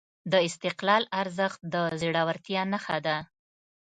د استقلال ارزښت د زړورتیا نښه ده.